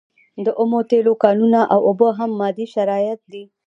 د اومو تیلو کانونه او اوبه هم مادي شرایط دي.